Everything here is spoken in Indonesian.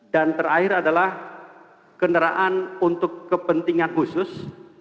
dan terakhir adalah kendaraan untuk kepentingan khusus